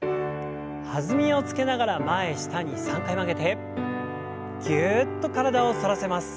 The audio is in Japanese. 弾みをつけながら前下に３回曲げてぎゅっと体を反らせます。